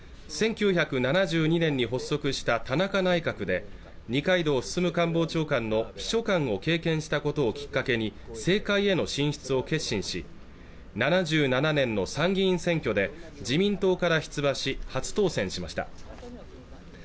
１９７２年に発足した田中内閣で二階堂進官房長官の秘書官を経験したことをきっかけに政界への進出を決心し７７年の参議院選挙で自民党から出馬し初当選しました